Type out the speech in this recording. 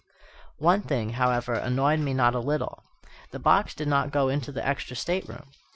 One thing, however, annoyed me not a little. The box did not go into the extra stateroom.